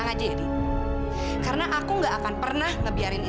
nomor yang ada tujuh tidak dapat dihubungi